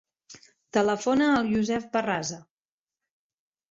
Telefona al Yousef Barrasa.